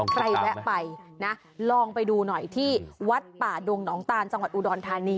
แวะไปนะลองไปดูหน่อยที่วัดป่าดงหนองตานจังหวัดอุดรธานี